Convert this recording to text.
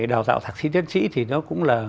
đào tạo thạc sĩ tiến sĩ thì nó cũng là